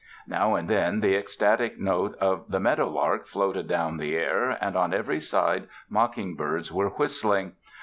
Now and then the ecstatic note of the meadow lark floated down the air, and on every side mocking birds were whistling.